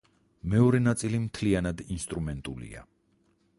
მეორე ნაწილია მთლიანად ინსტრუმენტულია.